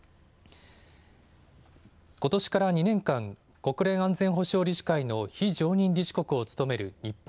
ことしから２年間、国連安全保障理事会の非常任理事国を務める日本。